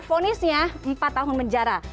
fonisnya empat tahun penjara